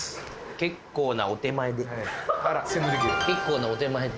結構なお点前で。